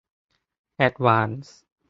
แอดวานส์